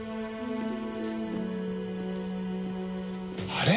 あれ？